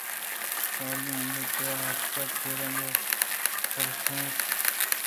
شکاریاں آئی ءَ کِرّا اتک ءُ چرآئی ءَ پُرس اِت تو آسکی گوٛرگے نہ دیستگ؟ پانگِپاہ ءَ اے دیم ءُ آ دیم ءَ چار اِت